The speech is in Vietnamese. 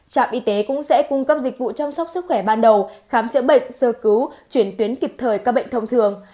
trạm y tế cũng sẽ cung cấp dịch vụ chăm sóc sức khỏe ban đầu khám chữa bệnh sơ cứu chuyển tuyến kịp thời các bệnh thông thường